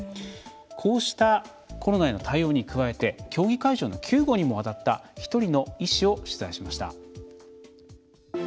こうしたコロナへの対応に加えて競技会場の救護にも当たった１人の医師を取材しました。